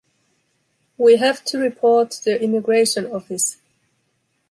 We have to report to the immigration office.